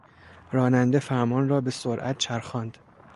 راننده فرمان را به سرعت چرخاند.